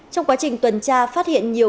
trong quá trình tuần tra phát hiện nhiều